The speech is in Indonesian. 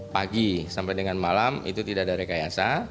pagi sampai dengan malam itu tidak ada rekayasa